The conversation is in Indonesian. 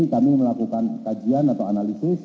kami melakukan kajian atau analisis